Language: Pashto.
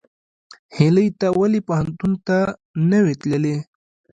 هیلۍ ته ولې پوهنتون ته نه وې تللې؟